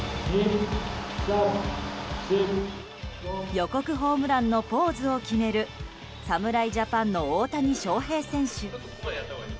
予告ホームランのポーズを決める侍ジャパンの大谷翔平選手。